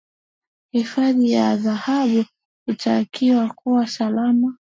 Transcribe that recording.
hifadhi ya dhahabu inatakiwa kuwa salama